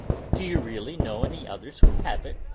Do you really know any others who have it?"